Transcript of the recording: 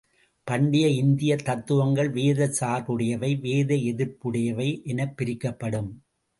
பண்டைய இந்தியத் தத்துவங்கள் வேதச் சார்புடையவை, வேத எதிர்ப்புடையவை எனப்பிரிக்கப்படும்.